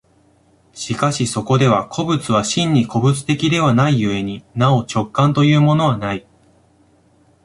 しかしそこでは個物は真に個物的ではない故になお直観というものはない。